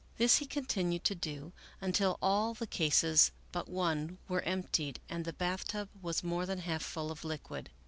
This he continued to do until all the cases but one were emptied and the bath tub was more than half full of liquid.